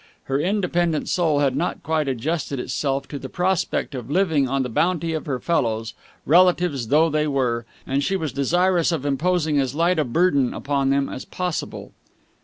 Her independent soul had not quite adjusted itself to the prospect of living on the bounty of her fellows, relatives though they were, and she was desirous of imposing as light a burden upon them as possible.